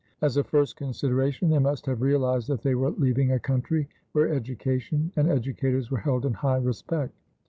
As a first consideration they must have realized that they were leaving a country where education and educators were held in high respect.